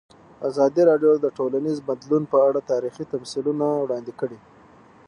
ازادي راډیو د ټولنیز بدلون په اړه تاریخي تمثیلونه وړاندې کړي.